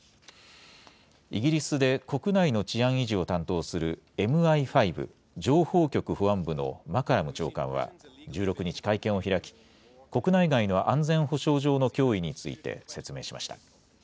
イギリスで国内の治安維持を担当するＭＩ５・情報局保安部のマカラム長官は１６日、会見を開き、国内外の安全保障上の脅威について説明しました。